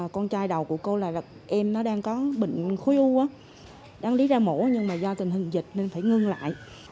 con trai đầu của cô là em nó đang có bệnh khối u đáng lý ra mổ nhưng mà do tình hình dịch nên phải ngưng lại